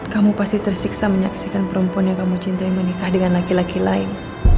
kamu pasti tersiksa menyaksikan perempuan yang kamu cintai menikah dengan laki laki lain